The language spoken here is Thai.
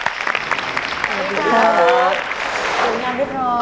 สุดยอดเรียนเรียนพร้อม